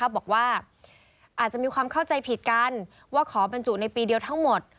บอกว่าอาจจะมีความเข้าใจผิดกันว่าขอบรรจุในปีเดียวทั้งหมด